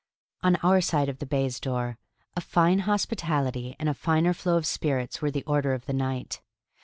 On our side of the baize door a fine hospitality and a finer flow of spirits were the order of the night.